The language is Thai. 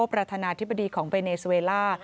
ประธานาธิบดีของเบเนสเวล่า